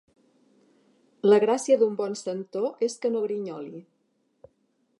La gràcia d'un bon centó és que no grinyoli.